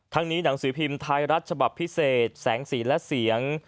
นี้หนังสือพิมพ์ไทยรัฐฉบับพิเศษแสงสีและเสียง